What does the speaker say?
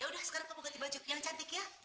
yaudah sekarang kamu ganti baju yang cantik ya